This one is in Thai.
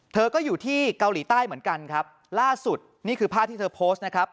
เธอก็อยู่ที่เกาหลีใต้เหมือนกันครับล่าสุดนี่คือภาพที่เธอโพสต์นะครับ